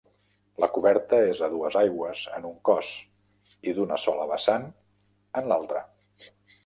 La coberta és a dues aigües en un cos i d'una sola vessant en l'altre.